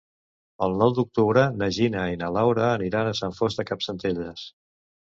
El nou d'octubre na Gina i na Laura aniran a Sant Fost de Campsentelles.